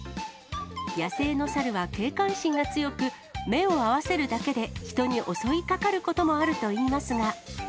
野生のサルは警戒心が強く、目を合わせるだけで人に襲いかかることもあるといいますが。